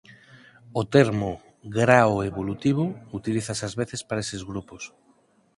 O termo "grao evolutivo" utilízase ás veces para eses grupos.